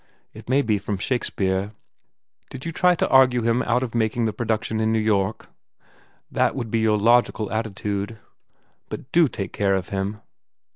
It may be from Shakespeare. Did you try to argue him out of making the production in New York? That would be your logical attitude. But do take care of him."